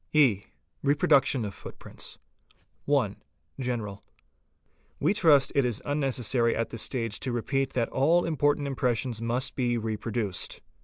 E. Reproduction of Footprints. 1. GENERAL. h We trust it is unnecessary at this stage to repeat that all important mpressions must be reproduced.